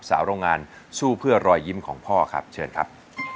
โรงงานสู้เพื่อรอยยิ้มของพ่อครับเชิญครับ